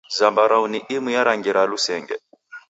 Zambarau ni imu ya rangi ra lusenge.